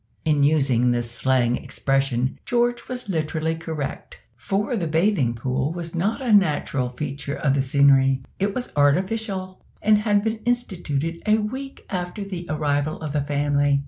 In using this slang expression George was literally correct, for the bathing pool was not a natural feature of the scenery: it was artificial, and had been instituted a week after the arrival of the family.